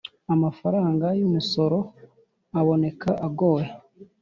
Amafaranga y umusoro aboneka agoye